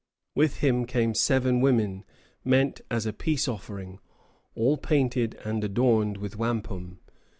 With him came seven women, meant as a peace offering, all painted and adorned with wampum.